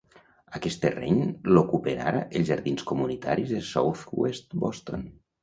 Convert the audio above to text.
Aquest terreny l'ocupen ara els Jardins Comunitaris de Southwest Boston.